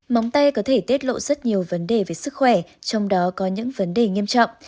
món tay có thể tiết lộ rất nhiều vấn đề về sức khỏe trong đó có những vấn đề nghiêm trọng